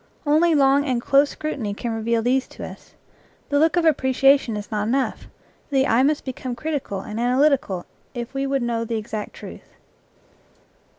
Only long and close scrutiny can reveal these to us. The look of appreciation is not enough; the eye must become critical and analytical if we would know the exact truth.